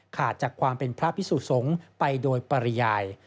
ขาดจากความเป็นพระพิสุสงฆ์ไปโดยปริยาย